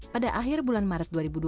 pada akhir bulan maret dua ribu dua puluh